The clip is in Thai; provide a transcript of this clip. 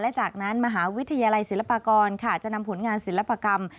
และจากนั้นมหาวิทยาลัยศิลปากรจะนำผลงานศิลปกรรม